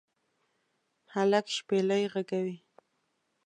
هلک شپیلۍ ږغوي